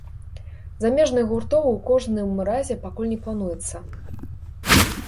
Замежных гуртоў у кожным разе пакуль не плануецца.